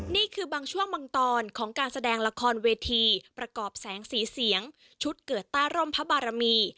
นี่คือบางช่วงบางตอนของการแสดงละครเวทีประกอบแสงสีเสียงชุดเกิดใต้ร่มพระบารมี